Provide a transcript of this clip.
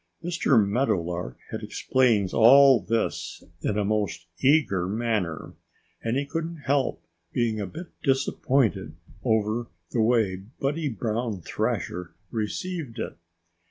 Mr. Meadowlark had explained all this in a most eager manner. And he couldn't help being a bit disappointed over the way Buddy Brown Thrasher received it.